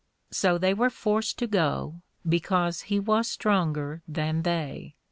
So they were forced to go, because he was stronger than they.